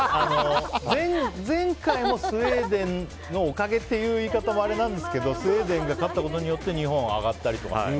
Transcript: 前回もスウェーデンのおかげって言い方はあれなんですけどスウェーデンが勝ったことによって日本は上がったりとか。